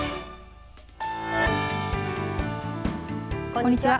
こんにちは。